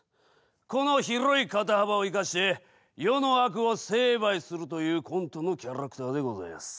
この広い肩幅を生かして世の悪を成敗するというコントのキャラクターでございます。